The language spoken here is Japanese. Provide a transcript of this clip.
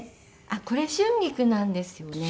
あっこれ春菊なんですよね。